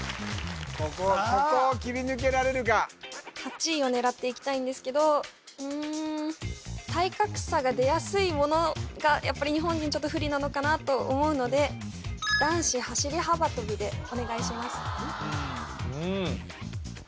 ここを切り抜けられるか８位を狙っていきたいんですけどうーん体格差が出やすいものがやっぱり日本人不利なのかなと思うので男子走幅跳でお願いします